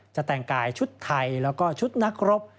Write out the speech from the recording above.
จะแต่งกายชุดไทยแล้วก็ชุดนักรบ